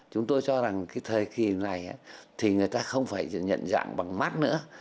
chúng tôi cho rằng cái thời kỳ này thì người ta không phải nhận dạng bằng mắt nữa